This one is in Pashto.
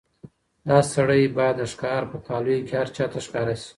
دا سړی باید د ښکار په کالیو کې هر چا ته ښکاره شي.